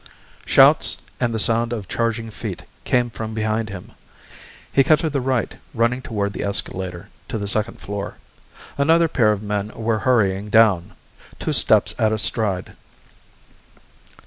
Shouts and the sound of charging feet came from behind him. He cut to the right, running toward the escalator to the second floor. Another pair of men were hurrying down, two steps at a stride.